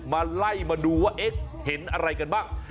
มาไล่มาดูว่าเอ๊ะเห็นอะไรกันบ้าง